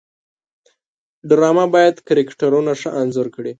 ډرامه باید کرکټرونه ښه انځور کړي